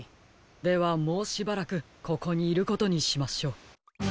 ではもうしばらくここにいることにしましょう。